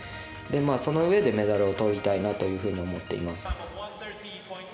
そのうえでメダルをとりたいなと思っています。